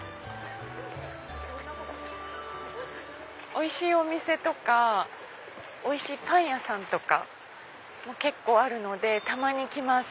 おいしいお店とかおいしいパン屋さんもあるのでたまに来ます。